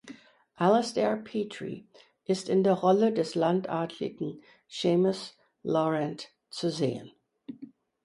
Alistair Petrie ist in der Rolle des Landadeligen Seamus Laurent zu sehen.